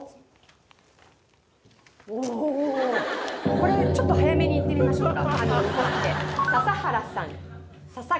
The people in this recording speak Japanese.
これちょっと早めに言ってみましょうか。